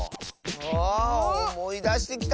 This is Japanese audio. あおもいだしてきた！